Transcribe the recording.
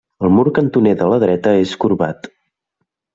El mur cantoner de la dreta és corbat.